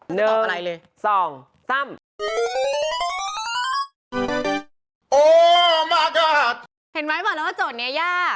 เห็นมั้ยบอกแล้วว่าโจทย์นี่ยาก